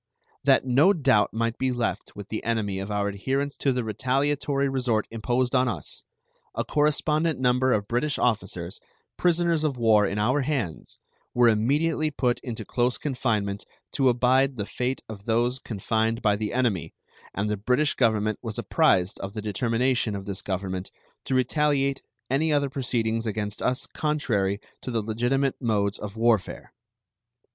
That no doubt might be left with the enemy of our adherence to the retaliatory resort imposed on us, a correspondent number of British officers, prisoners of war in our hands, were immediately put into close confinement to abide the fate of those confined by the enemy, and the British Government was apprised of the determination of this Government to retaliate any other proceedings against us contrary to the legitimate modes of warfare.